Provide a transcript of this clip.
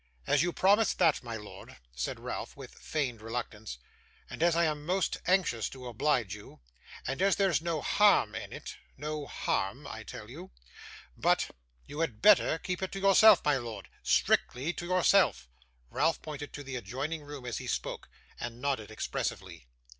'As you promise that, my lord,' said Ralph, with feigned reluctance, 'and as I am most anxious to oblige you, and as there's no harm in it no harm I'll tell you. But you had better keep it to yourself, my lord; strictly to yourself.' Ralph pointed to the adjoining room as he spoke, and nodded expressively.